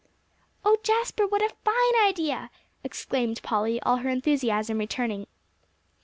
"Oh, Jasper, what a fine idea!" exclaimed Polly, all her enthusiasm returning.